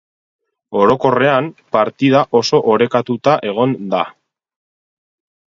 Orokorrean, partida oso orekatuta egon da.